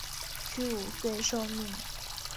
屈武遂受命。